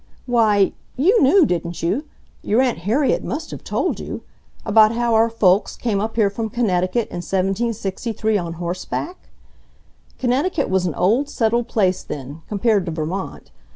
"Why you knew, didn't you—your Aunt Harriet must have told you—about how our folks came up here from Connecticut in 1763, on horseback! Connecticut was an old settled place then, compared to Vermont.